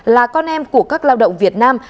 là con em của các lao động việt nam